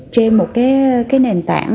trên một cái nền tảng